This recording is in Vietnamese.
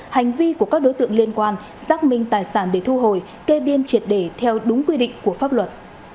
hành vi của các đối tượng liên quan xác minh tài sản để thu hồi kê biên triệt để theo đúng quy định của pháp luật